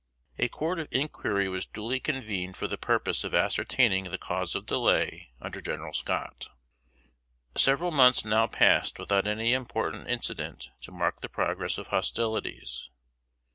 A court of inquiry was duly convened for the purpose of ascertaining the cause of delay under General Scott. Several months now passed without any important incident to mark the progress of hostilities.